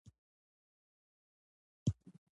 نو دوی ولې مانه یو سل او شل ډالره واخیستل.